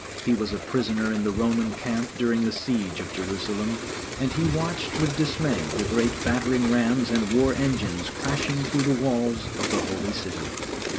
He was a prisoner in the Roman camp during the siege of Jerusalem, and he watched with dismay the great battering rams and war engines crashing through the walls of the Holy City.